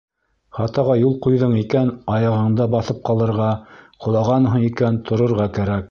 Хатаға юл ҡуйҙың икән — аяғыңда баҫып ҡалырға, ҡолағанһың икән, торорға кәрәк.